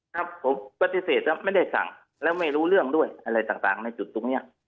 ครับผมปฏิเสธแล้วไม่ได้สั่งแล้วไม่รู้เรื่องด้วยอะไรต่างในจุดตรงนี้